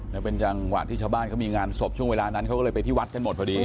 แล้วเป็นจังหวะที่ชาวบ้านเขามีงานศพช่วงเวลานั้นเขาก็เลยไปที่วัดกันหมดพอดี